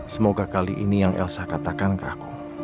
semoga kali ini yang elsa katakan ke aku